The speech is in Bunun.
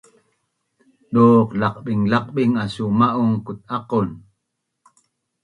Duq laqbinglaqbing asu ma’un kut’aqon?